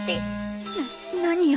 なっ何よ。